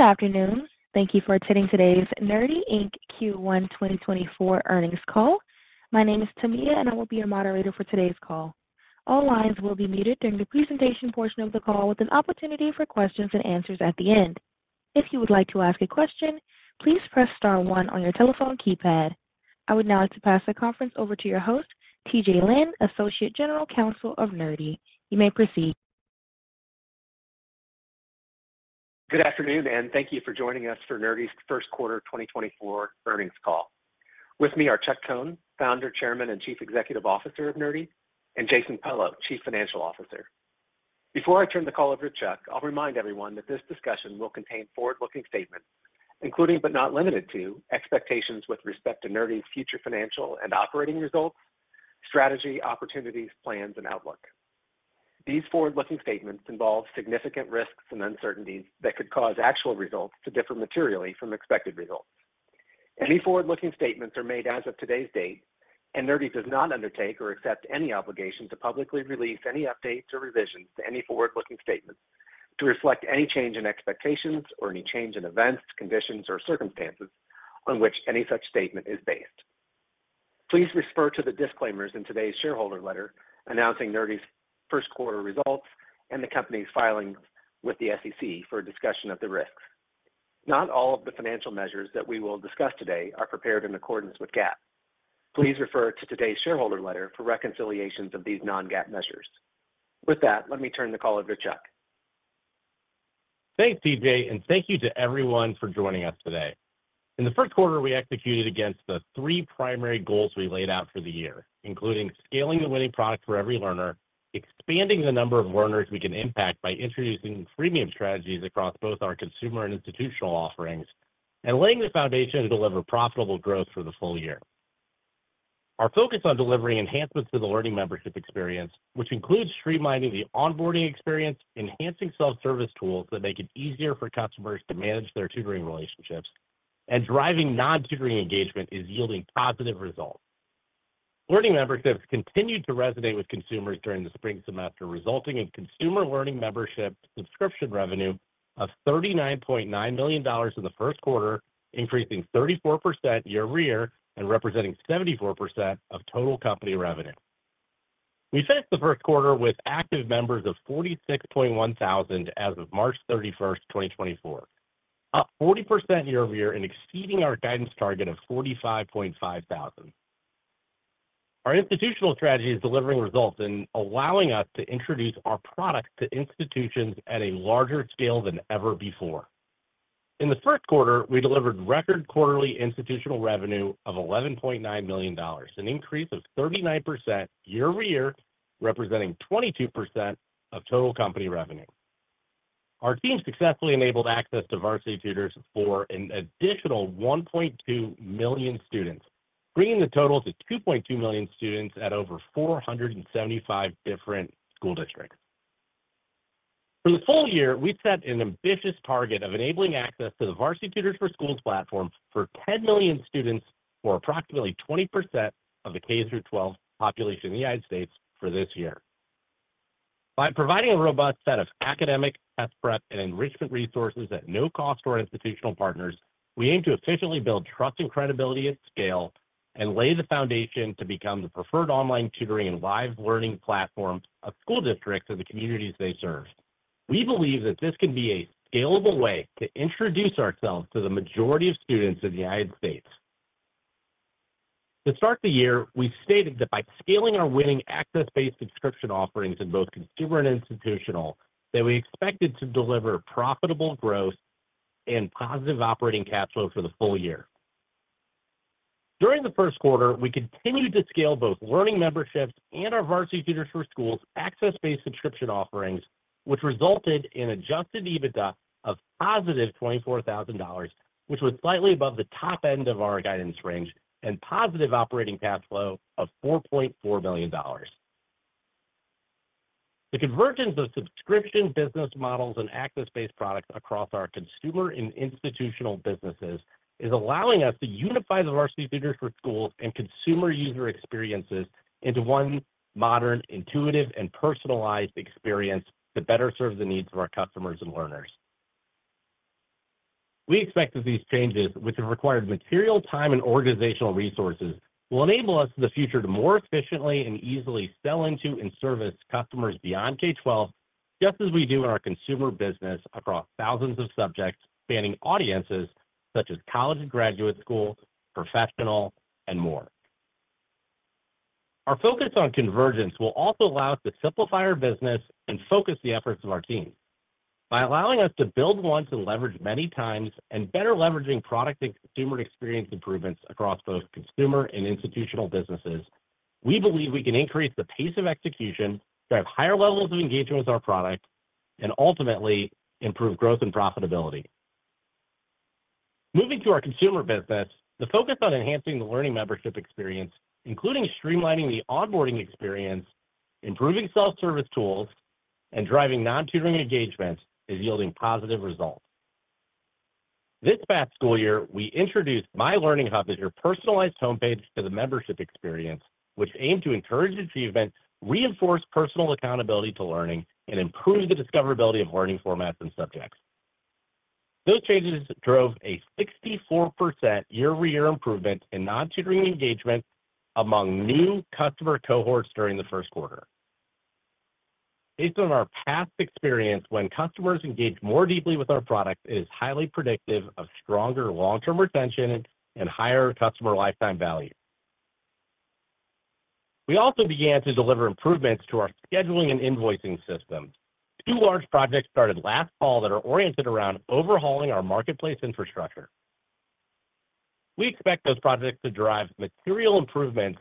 Good afternoon. Thank you for attending today's Nerdy Inc. Q1 2024 earnings call. My name is Tamiya, and I will be your moderator for today's call. All lines will be muted during the presentation portion of the call, with an opportunity for questions and answers at the end. If you would like to ask a question, please press star one on your telephone keypad. I would now like to pass the conference over to your host, T.J. Lynn, Associate General Counsel of Nerdy. You may proceed. Good afternoon, and thank you for joining us for Nerdy's first quarter 2024 earnings call. With me are Chuck Cohn, Founder Chairman and Chief Executive Officer of Nerdy, and Jason Pello, Chief Financial Officer. Before I turn the call over to Chuck, I'll remind everyone that this discussion will contain forward-looking statements, including but not limited to expectations with respect to Nerdy's future financial and operating results, strategy, opportunities, plans, and outlook. These forward-looking statements involve significant risks and uncertainties that could cause actual results to differ materially from expected results. Any forward-looking statements are made as of today's date, and Nerdy does not undertake or accept any obligation to publicly release any updates or revisions to any forward-looking statements to reflect any change in expectations or any change in events, conditions, or circumstances on which any such statement is based. Please refer to the disclaimers in today's shareholder letter announcing Nerdy's first quarter results and the company's filings with the SEC for discussion of the risks. Not all of the financial measures that we will discuss today are prepared in accordance with GAAP. Please refer to today's shareholder letter for reconciliations of these non-GAAP measures. With that, let me turn the call over to Chuck. Thanks, T.J., and thank you to everyone for joining us today. In the first quarter, we executed against the three primary goals we laid out for the year, including scaling the winning product for every learner, expanding the number of learners we can impact by introducing premium strategies across both our consumer and institutional offerings, and laying the foundation to deliver profitable growth for the full year. Our focus on delivering enhancements to the Learning Membership experience, which includes streamlining the onboarding experience, enhancing self-service tools that make it easier for customers to manage their tutoring relationships, and driving non-tutoring engagement is yielding positive results. Learning memberships continued to resonate with consumers during the spring semester, resulting in consumer Learning Membership subscription revenue of $39.9 million in the first quarter, increasing 34% year-over-year and representing 74% of total company revenue. We finished the first quarter with active members of 46.1 thousand as of March 31st, 2024, up 40% year-over-year and exceeding our guidance target of 45.5 thousand. Our institutional strategy is delivering results and allowing us to introduce our product to institutions at a larger scale than ever before. In the first quarter, we delivered record quarterly institutional revenue of $11.9 million, an increase of 39% year-over-year, representing 22% of total company revenue. Our team successfully enabled access to Varsity Tutors for an additional 1.2 million students, bringing the total to 2.2 million students at over 475 different school districts. For the full year, we set an ambitious target of enabling access to the Varsity Tutors for Schools platform for 10 million students for approximately 20% of the K-12 population in the United States for this year. By providing a robust set of academic, test prep, and enrichment resources at no cost to our institutional partners, we aim to efficiently build trust and credibility at scale and lay the foundation to become the preferred online tutoring and live learning platform of school districts and the communities they serve. We believe that this can be a scalable way to introduce ourselves to the majority of students in the United States. To start the year, we stated that by scaling our winning access-based subscription offerings in both consumer and institutional, that we expected to deliver profitable growth and positive operating cash flow for the full year. During the first quarter, we continued to scale both Learning Memberships and our Varsity Tutors for Schools access-based subscription offerings, which resulted in Adjusted EBITDA of +$24,000, which was slightly above the top end of our guidance range, and positive operating cash flow of $4.4 million. The convergence of subscription business models and access-based products across our consumer and institutional businesses is allowing us to unify the Varsity Tutors for Schools and consumer user experiences into one modern, intuitive, and personalized experience to better serve the needs of our customers and learners. We expect that these changes, which have required material time and organizational resources, will enable us in the future to more efficiently and easily sell into and service customers beyond K-12, just as we do in our consumer business across thousands of subjects, spanning audiences such as college and graduate school, professional, and more. Our focus on convergence will also allow us to simplify our business and focus the efforts of our team. By allowing us to build once and leverage many times and better leveraging product and consumer experience improvements across both consumer and institutional businesses, we believe we can increase the pace of execution, drive higher levels of engagement with our product, and ultimately improve growth and profitability. Moving to our consumer business, the focus on enhancing the Learning Membership experience, including streamlining the onboarding experience, improving self-service tools, and driving non-tutoring engagement, is yielding positive results. This past school year, we introduced My Learning Hub as your personalized homepage to the membership experience, which aimed to encourage achievement, reinforce personal accountability to learning, and improve the discoverability of learning formats and subjects. Those changes drove a 64% year-over-year improvement in non-tutoring engagement among new customer cohorts during the first quarter. Based on our past experience, when customers engage more deeply with our products, it is highly predictive of stronger long-term retention and higher customer lifetime value. We also began to deliver improvements to our scheduling and invoicing systems. Two large projects started last fall that are oriented around overhauling our marketplace infrastructure. We expect those projects to drive material improvements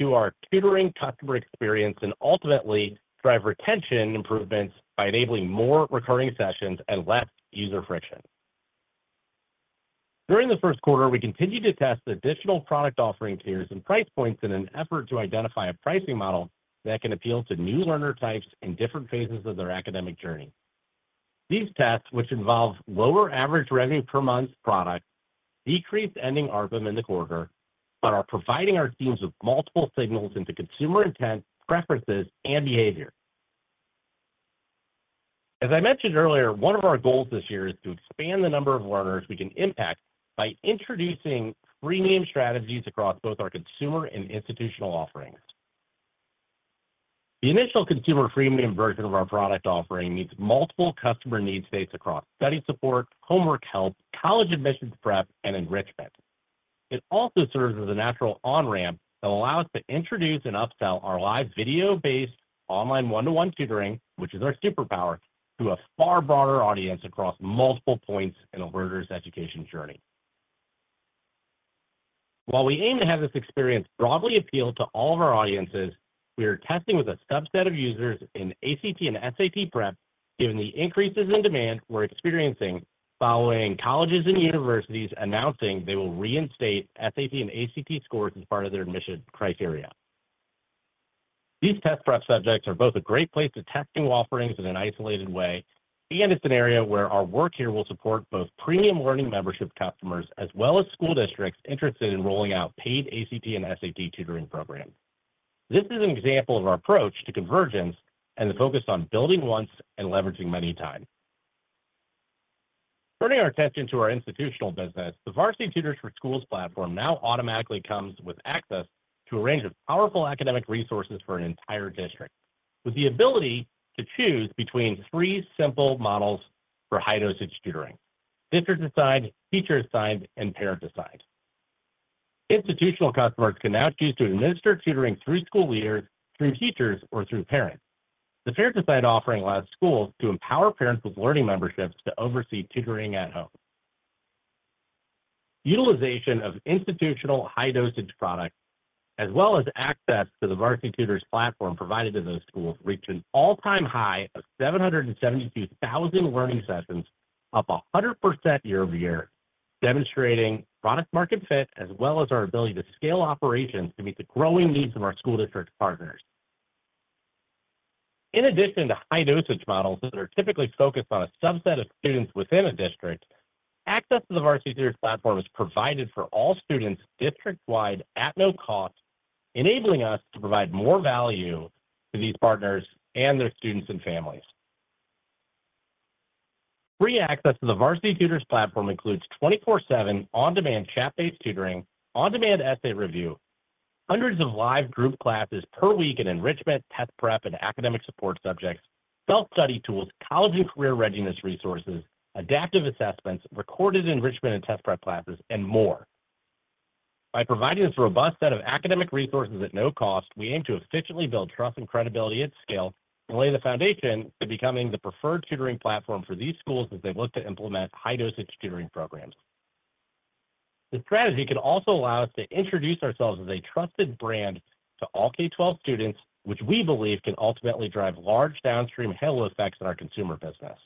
to our tutoring customer experience and ultimately drive retention improvements by enabling more recurring sessions and less user friction. During the first quarter, we continued to test additional product offering tiers and price points in an effort to identify a pricing model that can appeal to new learner types in different phases of their academic journey. These tests, which involve lower average revenue per month product, decreased ending ARPAM in the quarter, but are providing our teams with multiple signals into consumer intent, preferences, and behavior. As I mentioned earlier, one of our goals this year is to expand the number of learners we can impact by introducing premium strategies across both our consumer and institutional offerings. The initial consumer premium version of our product offering meets multiple customer need states across study support, homework help, college admissions prep, and enrichment. It also serves as a natural on-ramp that allows us to introduce and upsell our live video-based online one-to-one tutoring, which is our superpower, to a far broader audience across multiple points in a learner's education journey. While we aim to have this experience broadly appeal to all of our audiences, we are testing with a subset of users in ACT and SAT prep. Given the increases in demand, we're experiencing following colleges and universities announcing they will reinstate SAT and ACT scores as part of their admission criteria. These test prep subjects are both a great place to test new offerings in an isolated way, and it's an area where our work here will support both premium Learning Memberships customers as well as school districts interested in rolling out paid ACT and SAT tutoring programs. This is an example of our approach to convergence and the focus on building once and leveraging many times. Turning our attention to our institutional business, the Varsity Tutors for Schools platform now automatically comes with access to a range of powerful academic resources for an entire district with the ability to choose between three simple models for high-dosage tutoring: district-assigned, teacher-assigned, and parent-assigned. Institutional customers can now choose to administer tutoring through school leaders, through teachers, or through parents. The parent-assigned offering allows schools to empower parents with Learning Memberships to oversee tutoring at home. Utilization of institutional high-dosage products, as well as access to the Varsity Tutors platform provided to those schools, reached an all-time high of 772,000 learning sessions, up 100% year-over-year, demonstrating product-market fit, as well as our ability to scale operations to meet the growing needs of our school district partners. In addition to high-dosage models that are typically focused on a subset of students within a district, access to the Varsity Tutors platform is provided for all students district-wide at no cost, enabling us to provide more value to these partners and their students and families. Free access to the Varsity Tutors platform includes 24/7 on-demand chat-based tutoring, on-demand essay review, hundreds of live group classes per week in enrichment, test prep, and academic support subjects, self-study tools, college and career readiness resources, adaptive assessments, recorded enrichment and test prep classes, and more. By providing this robust set of academic resources at no cost, we aim to efficiently build trust and credibility at scale and lay the foundation to becoming the preferred tutoring platform for these schools as they look to implement high-dosage tutoring programs. The strategy can also allow us to introduce ourselves as a trusted brand to all K-12 students, which we believe can ultimately drive large downstream halo effects in our consumer business.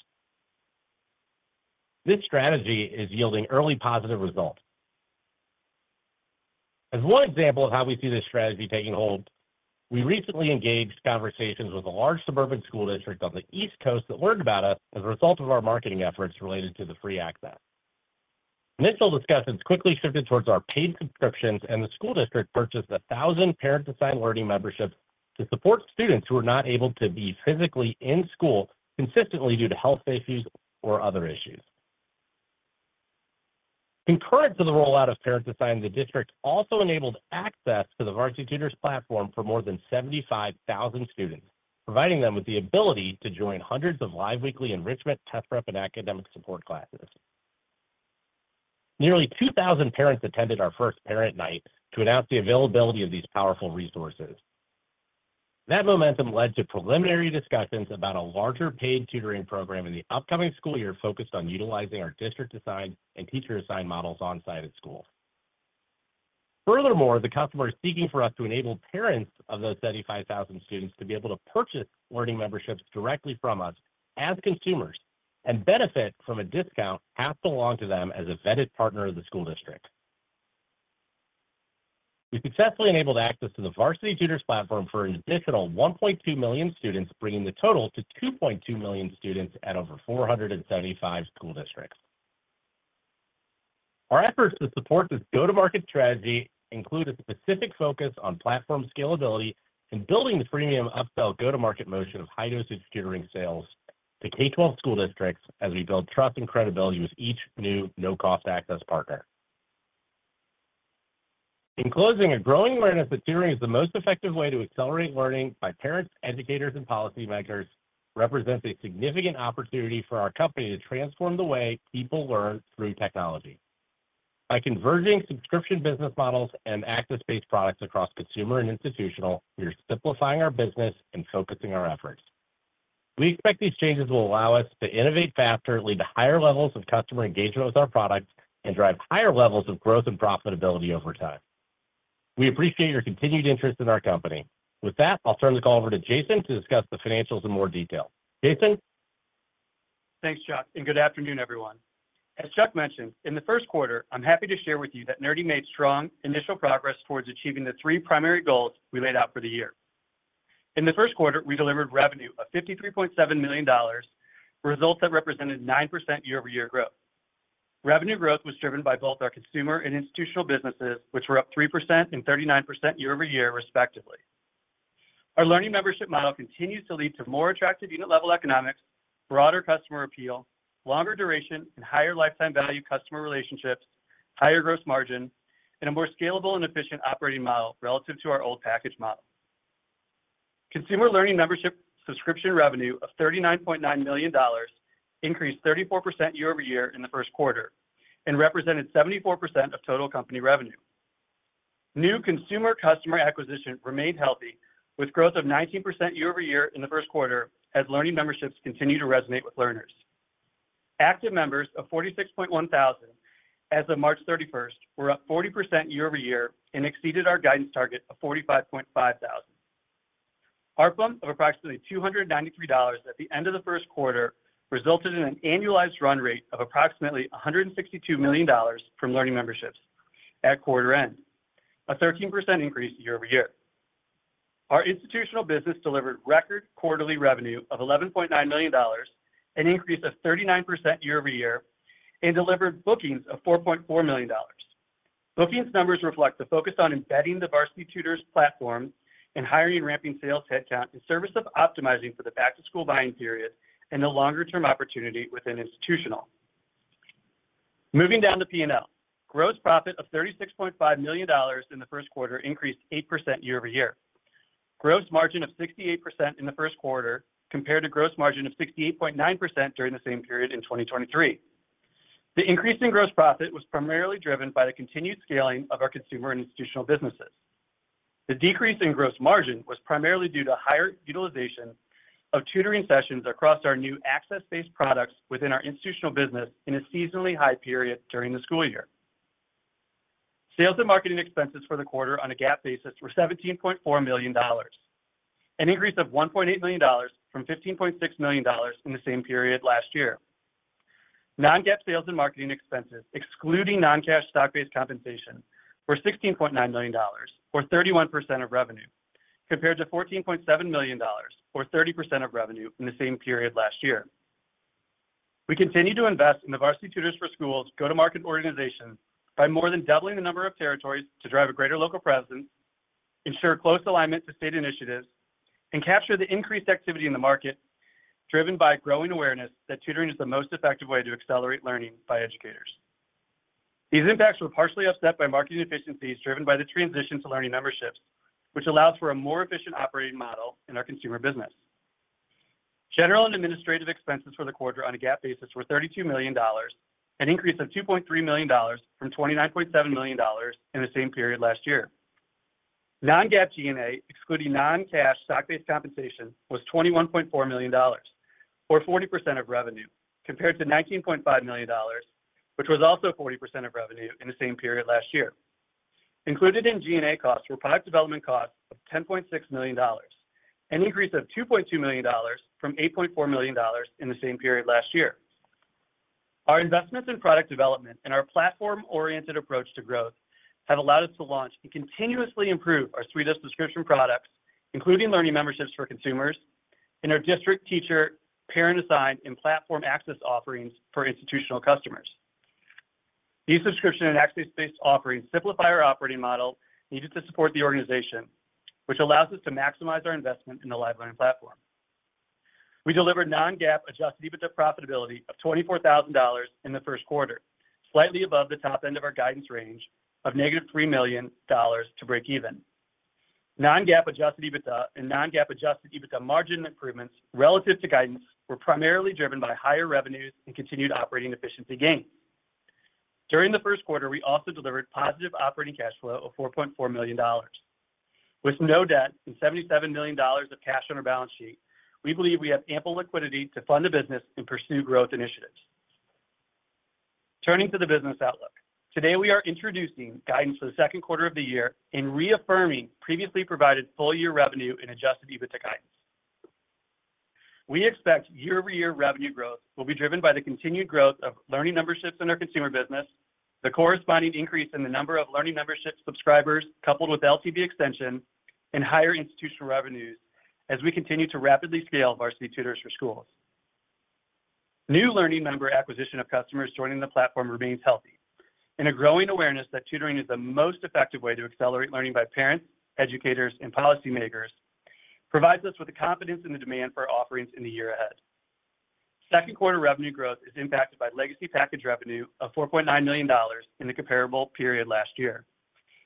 This strategy is yielding early positive results. As one example of how we see this strategy taking hold, we recently engaged conversations with a large suburban school district on the East Coast that learned about us as a result of our marketing efforts related to the free access. Initial discussions quickly shifted towards our paid subscriptions, and the school district purchased 1,000 parent-assigned Learning Memberships to support students who are not able to be physically in school consistently due to health issues or other issues. Concurrent to the rollout of parent-assigned, the district also enabled access to the Varsity Tutors platform for more than 75,000 students, providing them with the ability to join hundreds of live weekly enrichment, test prep, and academic support classes. Nearly 2,000 parents attended our first parent night to announce the availability of these powerful resources. That momentum led to preliminary discussions about a larger paid tutoring program in the upcoming school year focused on utilizing our district-assigned and teacher-assigned models on-site at school. Furthermore, the customers seeking for us to enable parents of those 75,000 students to be able to purchase Learning Memberships directly from us as consumers and benefit from a discount have to belong to them as a vetted partner of the school district. We successfully enabled access to the Varsity Tutors platform for an additional 1.2 million students, bringing the total to 2.2 million students at over 475 school districts. Our efforts to support this go-to-market strategy include a specific focus on platform scalability and building the premium upsell go-to-market motion of high-dosage tutoring sales to K-12 school districts as we build trust and credibility with each new no-cost access partner. In closing, a growing awareness that tutoring is the most effective way to accelerate learning by parents, educators, and policymakers represents a significant opportunity for our company to transform the way people learn through technology. By converging subscription business models and access-based products across consumer and institutional, we are simplifying our business and focusing our efforts. We expect these changes will allow us to innovate faster, lead to higher levels of customer engagement with our products, and drive higher levels of growth and profitability over time. We appreciate your continued interest in our company. With that, I'll turn the call over to Jason to discuss the financials in more detail. Jason. Thanks, Chuck, and good afternoon, everyone. As Chuck mentioned, in the first quarter, I'm happy to share with you that Nerdy made strong initial progress towards achieving the three primary goals we laid out for the year. In the first quarter, we delivered revenue of $53.7 million, results that represented 9% year-over-year growth. Revenue growth was driven by both our consumer and institutional businesses, which were up 3% and 39% year-over-year, respectively. Our Learning Membership model continues to lead to more attractive unit-level economics, broader customer appeal, longer duration, and higher lifetime value customer relationships, higher gross margin, and a more scalable and efficient operating model relative to our old package model. Consumer Learning Membership subscription revenue of $39.9 million increased 34% year-over-year in the first quarter and represented 74% of total company revenue. New consumer customer acquisition remained healthy, with growth of 19% year-over-year in the first quarter as Learning Memberships continue to resonate with learners. Active members of 46,100 as of March 31st were up 40% year-over-year and exceeded our guidance target of 45,500. ARPAM of approximately $293 at the end of the first quarter resulted in an annualized run rate of approximately $162 million from Learning Memberships at quarter end, a 13% increase year-over-year. Our institutional business delivered record quarterly revenue of $11.9 million, an increase of 39% year-over-year, and delivered bookings of $4.4 million. Bookings numbers reflect a focus on embedding the Varsity Tutors platform in hiring and ramping sales headcount in service of optimizing for the back-to-school buying period and the longer-term opportunity within institutional. Moving down to P&L, gross profit of $36.5 million in the first quarter increased 8% year-over-year. Gross margin of 68% in the first quarter compared to gross margin of 68.9% during the same period in 2023. The increase in gross profit was primarily driven by the continued scaling of our consumer and institutional businesses. The decrease in gross margin was primarily due to higher utilization of tutoring sessions across our new access-based products within our institutional business in a seasonally high period during the school year. Sales and marketing expenses for the quarter on a GAAP basis were $17.4 million, an increase of $1.8 million from $15.6 million in the same period last year. Non-GAAP sales and marketing expenses, excluding non-cash stock-based compensation, were $16.9 million, or 31% of revenue, compared to $14.7 million, or 30% of revenue in the same period last year. We continue to invest in the Varsity Tutors for Schools go-to-market organization by more than doubling the number of territories to drive a greater local presence, ensure close alignment to state initiatives, and capture the increased activity in the market driven by growing awareness that tutoring is the most effective way to accelerate learning by educators. These impacts were partially offset by marketing efficiencies driven by the transition to Learning Memberships, which allows for a more efficient operating model in our consumer business. General and administrative expenses for the quarter on a GAAP basis were $32 million, an increase of $2.3 million from $29.7 million in the same period last year. Non-GAAP G&A, excluding non-cash stock-based compensation, was $21.4 million, or 40% of revenue, compared to $19.5 million, which was also 40% of revenue in the same period last year. Included in G&A costs were product development costs of $10.6 million, an increase of $2.2 million from $8.4 million in the same period last year. Our investments in product development and our platform-oriented approach to growth have allowed us to launch and continuously improve our three subscription products, including Learning Memberships for consumers and our district-, teacher-, parent-assigned, and platform access offerings for institutional customers. These subscription and access-based offerings simplify our operating model needed to support the organization, which allows us to maximize our investment in the live learning platform. We delivered non-GAAP adjusted EBITDA profitability of $24,000 in the first quarter, slightly above the top end of our guidance range of -$3 million to break even. Non-GAAP adjusted EBITDA and non-GAAP adjusted EBITDA margin improvements relative to guidance were primarily driven by higher revenues and continued operating efficiency gains. During the first quarter, we also delivered positive operating cash flow of $4.4 million. With no debt and $77 million of cash on our balance sheet, we believe we have ample liquidity to fund the business and pursue growth initiatives. Turning to the business outlook, today we are introducing guidance for the second quarter of the year in reaffirming previously provided full-year revenue and adjusted EBITDA guidance. We expect year-over-year revenue growth will be driven by the continued growth of Learning Memberships in our consumer business, the corresponding increase in the number of Learning Membership subscribers coupled with LTV extension, and higher institutional revenues as we continue to rapidly scale Varsity Tutors for Schools. New learning member acquisition of customers joining the platform remains healthy, and a growing awareness that tutoring is the most effective way to accelerate learning by parents, educators, and policymakers provides us with the confidence and the demand for offerings in the year ahead. Second quarter revenue growth is impacted by legacy package revenue of $4.9 million in the comparable period last year.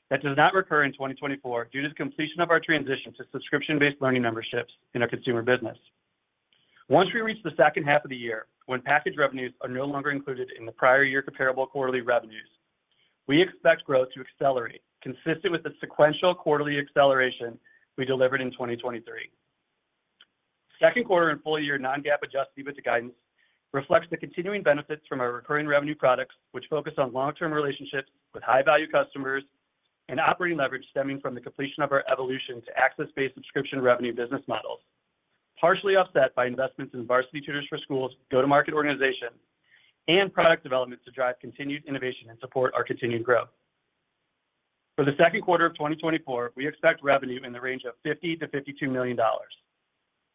That does not recur in 2024 due to the completion of our transition to subscription-based Learning Memberships in our consumer business. Once we reach the second half of the year, when package revenues are no longer included in the prior year comparable quarterly revenues, we expect growth to accelerate, consistent with the sequential quarterly acceleration we delivered in 2023. Second quarter and full-year non-GAAP adjusted EBITDA guidance reflects the continuing benefits from our recurring revenue products, which focus on long-term relationships with high-value customers and operating leverage stemming from the completion of our evolution to access-based subscription revenue business models, partially offset by investments in Varsity Tutors for Schools go-to-market organization and product development to drive continued innovation and support our continued growth. For the second quarter of 2024, we expect revenue in the range of $50 million-$52 million.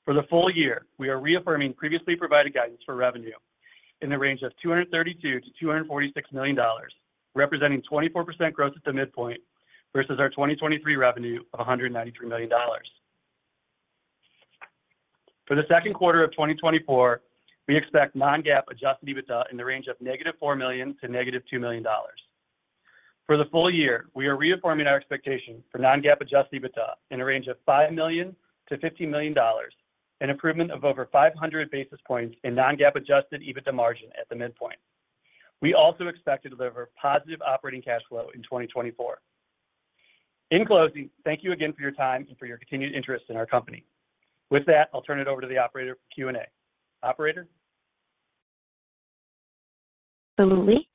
For the full year, we are reaffirming previously provided guidance for revenue in the range of $232 million-$246 million, representing 24% growth at the midpoint versus our 2023 revenue of $193 million. For the second quarter of 2024, we expect non-GAAP adjusted EBITDA in the range of -$4 million-$2 million. For the full year, we are reaffirming our expectation for non-GAAP adjusted EBITDA in a range of $5 million-$15 million, an improvement of over 500 basis points in non-GAAP adjusted EBITDA margin at the midpoint. We also expect to deliver positive operating cash flow in 2024. In closing, thank you again for your time and for your continued interest in our company. With that, I'll turn it over to the operator for Q&A. Operator. Absolutely.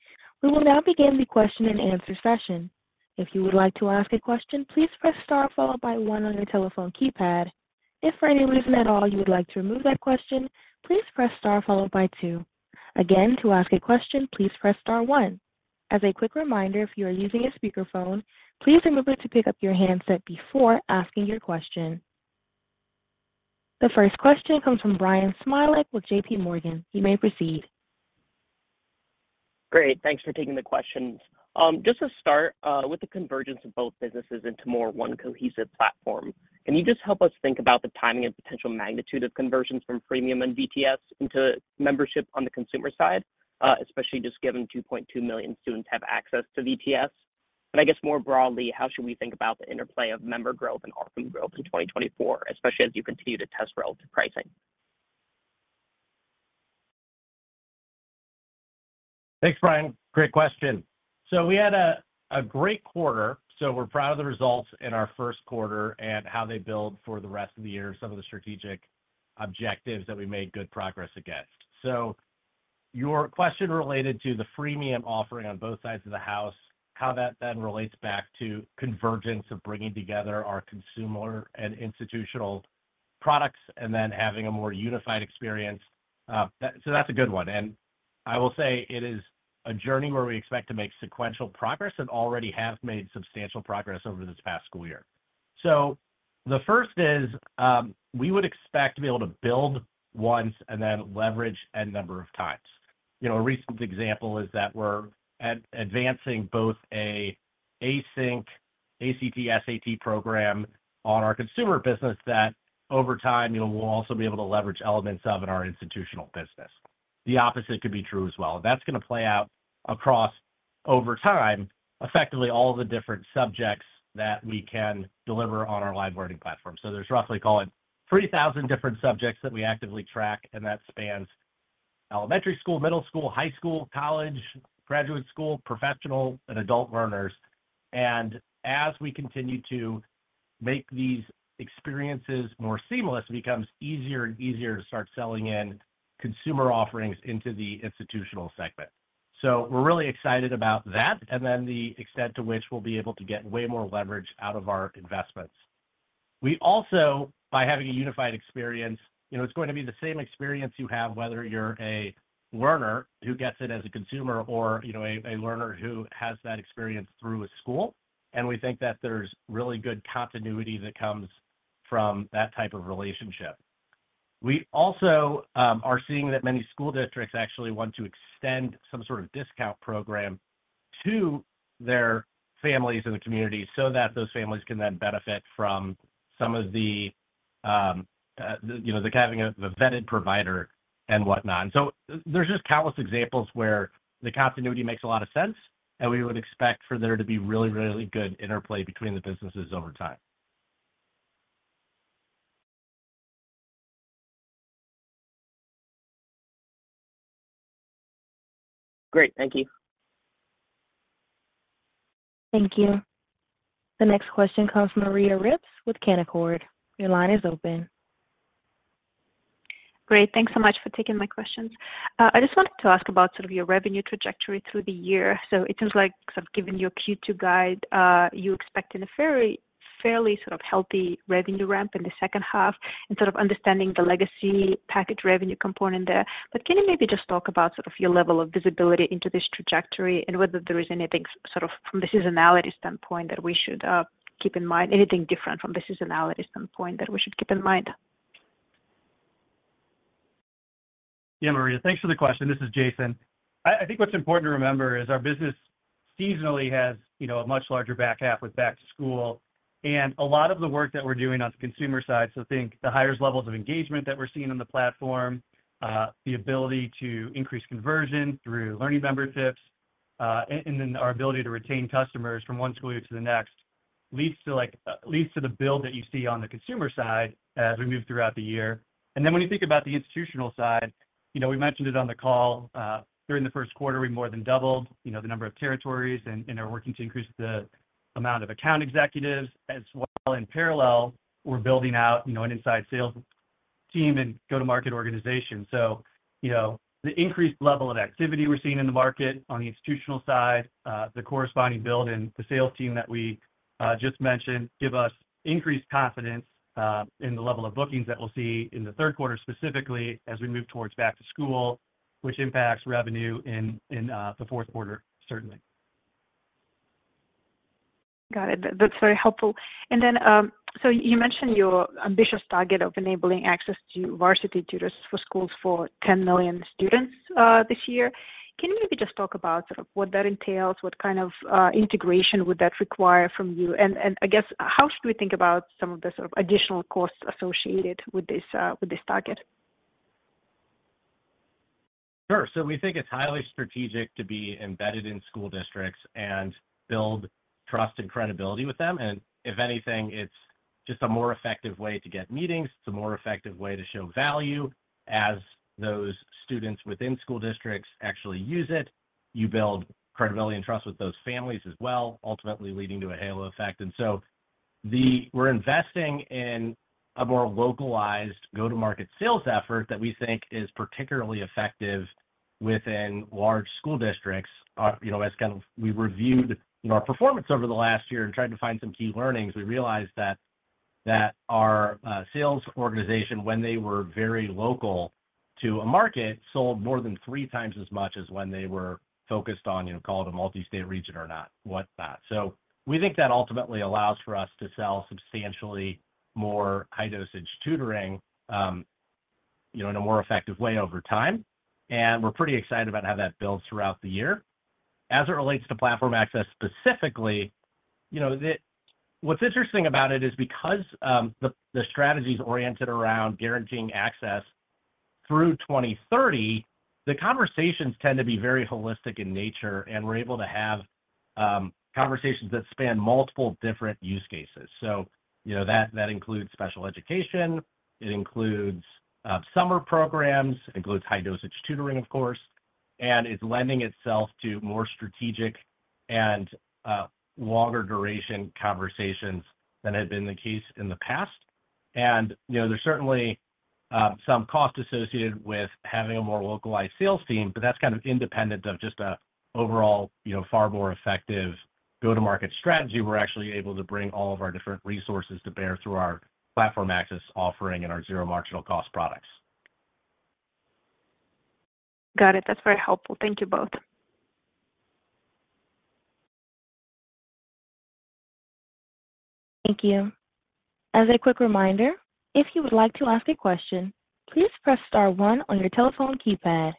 We will now begin the question-and-answer session. If you would like to ask a question, please press star followed by one on your telephone keypad. If for any reason at all you would like to remove that question, please press star followed by two. Again, to ask a question, please press star one. As a quick reminder, if you are using a speakerphone, please remember to pick up your handset before asking your question. The first question comes from Brian Smilek with JPMorgan. You may proceed. Great. Thanks for taking the questions. Just to start with the convergence of both businesses into more one cohesive platform, can you just help us think about the timing and potential magnitude of conversions from freemium and VTS into membership on the consumer side, especially just given 2.2 million students have access to VTS? And I guess more broadly, how should we think about the interplay of member growth and ARPAM growth in 2024, especially as you continue to test relative pricing? Thanks, Brian. Great question. We had a great quarter. We're proud of the results in our first quarter and how they build for the rest of the year, some of the strategic objectives that we made good progress against. Your question related to the freemium offering on both sides of the house, how that then relates back to convergence of bringing together our consumer and institutional products and then having a more unified experience. That's a good one. And I will say it is a journey where we expect to make sequential progress and already have made substantial progress over this past school year. The first is we would expect to be able to build once and then leverage N number of times. A recent example is that we're advancing both an async ACT/SAT program on our consumer business that over time we'll also be able to leverage elements of in our institutional business. The opposite could be true as well. That's going to play out across over time, effectively all the different subjects that we can deliver on our live learning platform. So there's roughly, call it, 3,000 different subjects that we actively track, and that spans elementary school, middle school, high school, college, graduate school, professional, and adult learners. And as we continue to make these experiences more seamless, it becomes easier and easier to start selling in consumer offerings into the institutional segment. So we're really excited about that and then the extent to which we'll be able to get way more leverage out of our investments. We also, by having a unified experience, it's going to be the same experience you have, whether you're a learner who gets it as a consumer or a learner who has that experience through a school. And we think that there's really good continuity that comes from that type of relationship. We also are seeing that many school districts actually want to extend some sort of discount program to their families in the community so that those families can then benefit from some of the having a vetted provider and whatnot. And so there's just countless examples where the continuity makes a lot of sense, and we would expect for there to be really, really good interplay between the businesses over time. Great. Thank you. Thank you. The next question comes from Maria Ripps with Canaccord. Your line is open. Great. Thanks so much for taking my questions. I just wanted to ask about sort of your revenue trajectory through the year. So it seems like sort of given your Q2 guide, you expect a fairly sort of healthy revenue ramp in the second half and sort of understanding the legacy package revenue component there. But can you maybe just talk about sort of your level of visibility into this trajectory and whether there is anything sort of from the seasonality standpoint that we should keep in mind, anything different from the seasonality standpoint that we should keep in mind? Yeah, Maria. Thanks for the question. This is Jason. I think what's important to remember is our business seasonally has a much larger back half with back-to-school. And a lot of the work that we're doing on the consumer side, so think the higher levels of engagement that we're seeing on the platform, the ability to increase conversion through Learning Memberships, and then our ability to retain customers from one school year to the next leads to the build that you see on the consumer side as we move throughout the year. And then when you think about the institutional side, we mentioned it on the call. During the first quarter, we more than doubled the number of territories and are working to increase the amount of account executives as well. In parallel, we're building out an inside sales team and go-to-market organization. So the increased level of activity we're seeing in the market on the institutional side, the corresponding build, and the sales team that we just mentioned give us increased confidence in the level of bookings that we'll see in the third quarter specifically as we move towards back-to-school, which impacts revenue in the fourth quarter, certainly. Got it. That's very helpful. Then so you mentioned your ambitious target of enabling access to Varsity Tutors for Schools for 10 million students this year. Can you maybe just talk about sort of what that entails, what kind of integration would that require from you? I guess, how should we think about some of the sort of additional costs associated with this target? Sure. So we think it's highly strategic to be embedded in school districts and build trust and credibility with them. And if anything, it's just a more effective way to get meetings. It's a more effective way to show value. As those students within school districts actually use it, you build credibility and trust with those families as well, ultimately leading to a halo effect. And so we're investing in a more localized go-to-market sales effort that we think is particularly effective within large school districts. As kind of we reviewed our performance over the last year and tried to find some key learnings, we realized that our sales organization, when they were very local to a market, sold more than 3x as much as when they were focused on, call it a multi-state region or not, whatnot. So we think that ultimately allows for us to sell substantially more high-dosage tutoring in a more effective way over time. We're pretty excited about how that builds throughout the year. As it relates to platform access specifically, what's interesting about it is because the strategy is oriented around guaranteeing access through 2030, the conversations tend to be very holistic in nature, and we're able to have conversations that span multiple different use cases. That includes special education. It includes summer programs. It includes high-dosage tutoring, of course. It's lending itself to more strategic and longer-duration conversations than had been the case in the past. There's certainly some cost associated with having a more localized sales team, but that's kind of independent of just an overall far more effective go-to-market strategy. We're actually able to bring all of our different resources to bear through our platform access offering and our zero-marginal cost products. Got it. That's very helpful. Thank you both. Thank you. As a quick reminder, if you would like to ask a question, please press star one on your telephone keypad.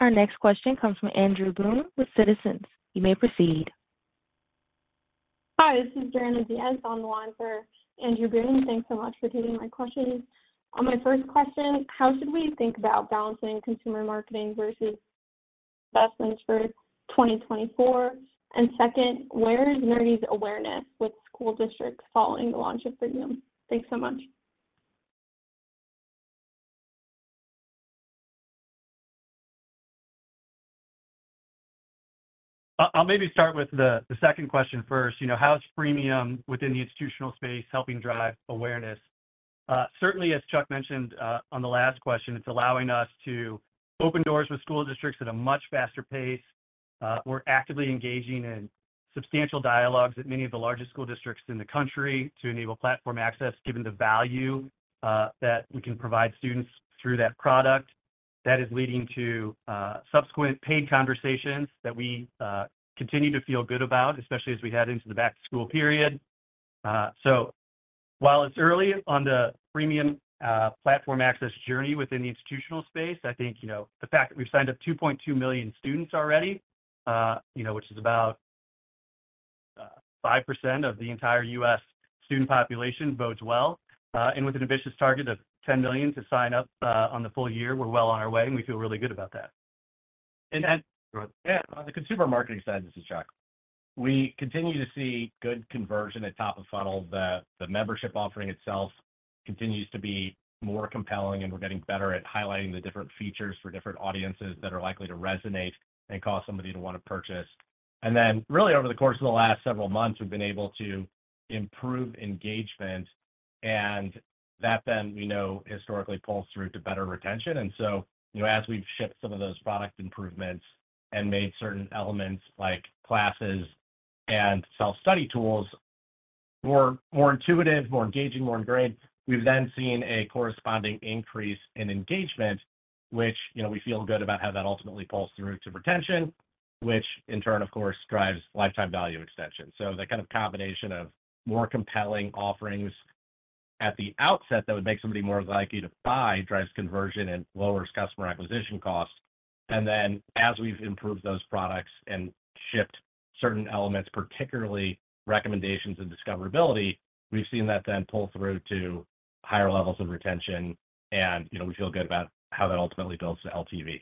Our next question comes from Andrew Boone with Citizens. You may proceed. Hi. This is Diana Diaz on the line for Andrew Boone. Thanks so much for taking my questions. On my first question, how should we think about balancing consumer marketing versus investments for 2024? And second, where is Nerdy's awareness with school districts following the launch of freemium? Thanks so much. I'll maybe start with the second question first. How is freemium within the institutional space helping drive awareness? Certainly, as Chuck mentioned on the last question, it's allowing us to open doors with school districts at a much faster pace. We're actively engaging in substantial dialogues at many of the largest school districts in the country to enable platform access, given the value that we can provide students through that product. That is leading to subsequent paid conversations that we continue to feel good about, especially as we head into the back-to-school period. So while it's early on the freemium platform access journey within the institutional space, I think the fact that we've signed up 2.2 million students already, which is about 5% of the entire U.S. student population, bodes well. With an ambitious target of 10 million to sign up on the full year, we're well on our way, and we feel really good about that. Yeah. On the consumer marketing side, this is Chuck. We continue to see good conversion at top of funnel. The membership offering itself continues to be more compelling, and we're getting better at highlighting the different features for different audiences that are likely to resonate and cause somebody to want to purchase. And then really, over the course of the last several months, we've been able to improve engagement, and that then historically pulls through to better retention. And so as we've shipped some of those product improvements and made certain elements like classes and self-study tools more intuitive, more engaging, more ingrained, we've then seen a corresponding increase in engagement, which we feel good about how that ultimately pulls through to retention, which in turn, of course, drives lifetime value extension. The kind of combination of more compelling offerings at the outset that would make somebody more likely to buy drives conversion and lowers customer acquisition costs. As we've improved those products and shipped certain elements, particularly recommendations and discoverability, we've seen that then pull through to higher levels of retention, and we feel good about how that ultimately builds to LTV.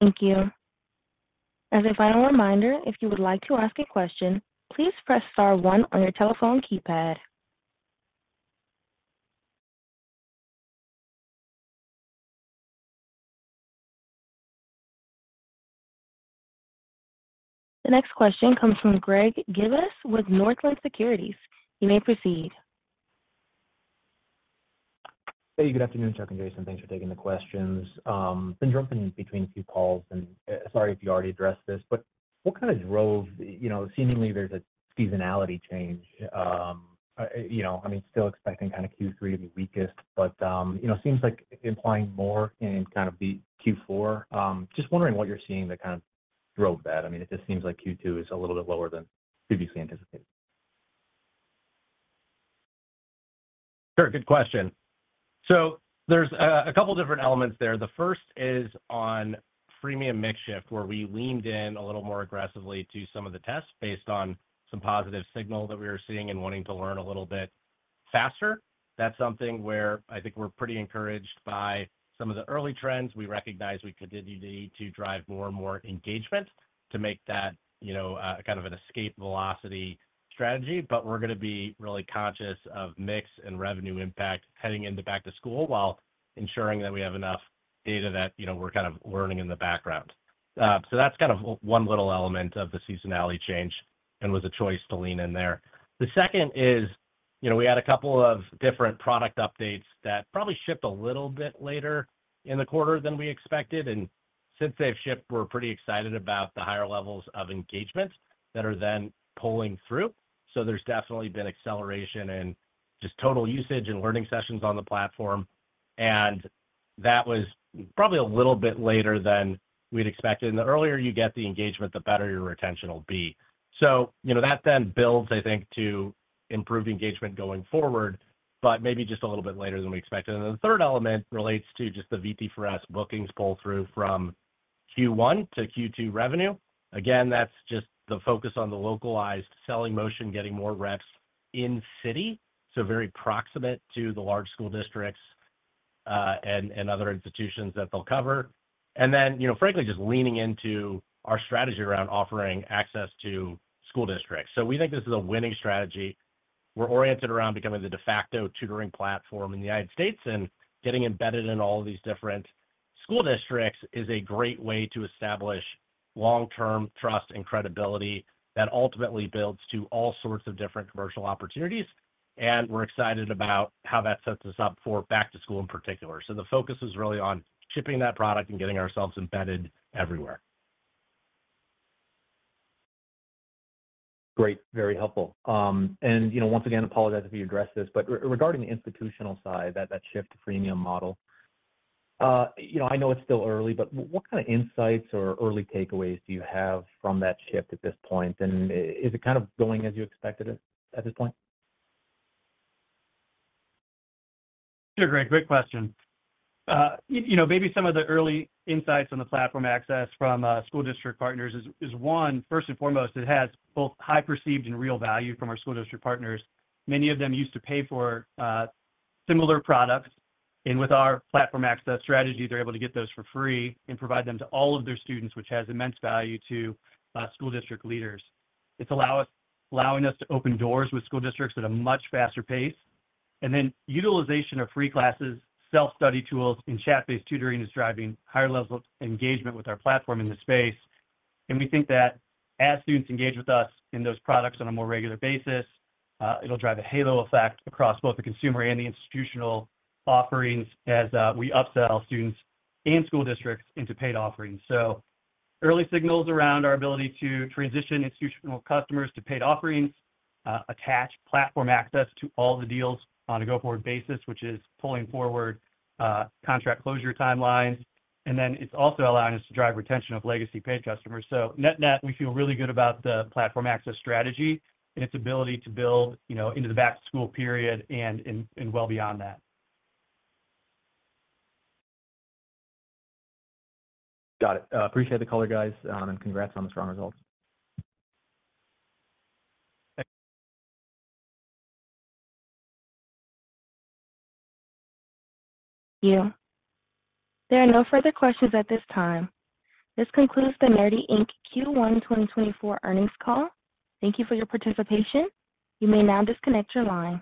Thank you. As a final reminder, if you would like to ask a question, please press star one on your telephone keypad. The next question comes from Greg Gibas with Northland Securities. You may proceed. Hey, good afternoon, Chuck and Jason. Thanks for taking the questions. Been jumping between a few calls, and sorry if you already addressed this, but what kind of drove seemingly there's a seasonality change. I mean, still expecting kind of Q3 to be weakest, but seems like implying more in kind of the Q4. Just wondering what you're seeing that kind of drove that. I mean, it just seems like Q2 is a little bit lower than previously anticipated. Sure. Good question. So there's a couple of different elements there. The first is on freemium mix shift, where we leaned in a little more aggressively to some of the tests based on some positive signal that we were seeing and wanting to learn a little bit faster. That's something where I think we're pretty encouraged by some of the early trends. We recognize we continue to need to drive more and more engagement to make that kind of an escape velocity strategy, but we're going to be really conscious of mix and revenue impact heading into back-to-school while ensuring that we have enough data that we're kind of learning in the background. So that's kind of one little element of the seasonality change and was a choice to lean in there. The second is we had a couple of different product updates that probably shipped a little bit later in the quarter than we expected. Since they've shipped, we're pretty excited about the higher levels of engagement that are then pulling through. There's definitely been acceleration and just total usage and learning sessions on the platform. That was probably a little bit later than we'd expected. The earlier you get the engagement, the better your retention will be. That then builds, I think, to improve engagement going forward, but maybe just a little bit later than we expected. The third element relates to just the VT4S bookings pull through from Q1 to Q2 revenue. That's just the focus on the localized selling motion, getting more reps in city, so very proximate to the large school districts and other institutions that they'll cover. And then, frankly, just leaning into our strategy around offering access to school districts. So we think this is a winning strategy. We're oriented around becoming the de facto tutoring platform in the United States, and getting embedded in all of these different school districts is a great way to establish long-term trust and credibility that ultimately builds to all sorts of different commercial opportunities. And we're excited about how that sets us up for back-to-school in particular. So the focus is really on shipping that product and getting ourselves embedded everywhere. Great. Very helpful. And once again, apologize if you addressed this, but regarding the institutional side, that shift to freemium model, I know it's still early, but what kind of insights or early takeaways do you have from that shift at this point? Is it kind of going as you expected it at this point? Sure, Greg. Great question. Maybe some of the early insights on the platform access from school district partners is one, first and foremost, it has both high-perceived and real value from our school district partners. Many of them used to pay for similar products. And with our platform access strategy, they're able to get those for free and provide them to all of their students, which has immense value to school district leaders. It's allowing us to open doors with school districts at a much faster pace. And then utilization of free classes, self-study tools, and chat-based tutoring is driving higher levels of engagement with our platform in this space. And we think that as students engage with us in those products on a more regular basis, it'll drive a halo effect across both the consumer and the institutional offerings as we upsell students and school districts into paid offerings. Early signals around our ability to transition institutional customers to paid offerings, attach platform access to all the deals on a go-forward basis, which is pulling forward contract closure timelines. Then it's also allowing us to drive retention of legacy paid customers. Net-net, we feel really good about the platform access strategy and its ability to build into the back-to-school period and well beyond that. Got it. Appreciate the color, guys, and congrats on the strong results. Thank you. There are no further questions at this time. This concludes the Nerdy Inc. Q1 2024 earnings call. Thank you for your participation. You may now disconnect your line.